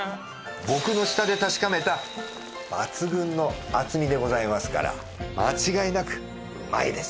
僕の舌で確かめた抜群の厚みでございますから間違いなくうまいです！